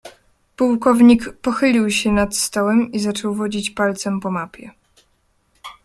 "Pułkownik pochylił się nad stołem i zaczął wodzić palcem po mapie."